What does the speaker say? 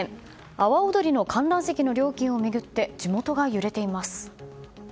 阿波踊りの観覧席の料金を巡って地元が揺れています。